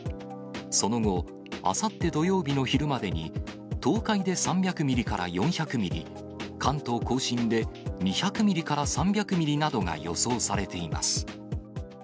その後、あさって土曜日の昼までに、東海で３００ミリから４００ミリ、関東甲信で２００ミリから３００ミリなどが予想されています。